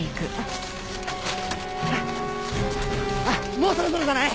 もうそろそろじゃない？